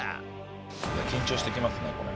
緊張してきますねこれ。